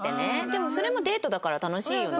でもそれもデートだから楽しいよね。